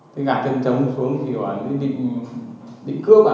thì gạt chân trống xuống thì bảo là bị cướp à